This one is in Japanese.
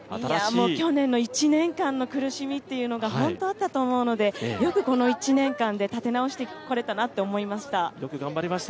去年の１年間の苦しみっていうのが本当にあったと思うのでよくこの１年間で立て直してこれたなと思いました。